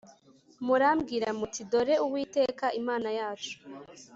Murambwira muti dore uwiteka imana yacu